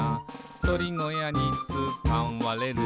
「とりごやにつかわれる」